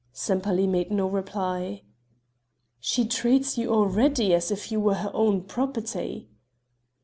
Sempaly made no reply. "She treats you already as if you were her own property."